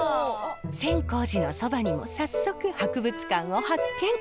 全興寺のそばにも早速博物館を発見。